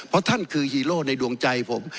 เพราะท่านคือฮีโร่ในดวงใจผม